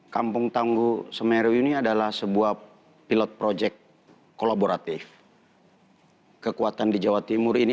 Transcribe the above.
kampung tangguh semeru ini adalah sebuah pilot project kolaboratif kekuatan di jawa timur ini